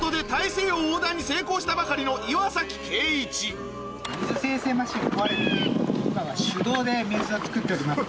次週水生成マシンが壊れてるんで今は手動で水をつくっております。